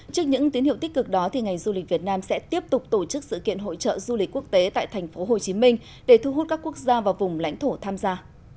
trước những tín hiệu tích cực đó ngành du lịch việt nam sẽ tiếp tục tổ chức sự kiện hội trợ du lịch quốc tế tại tp hcm để thu hút các quốc gia vào vùng lãnh thổ tham gia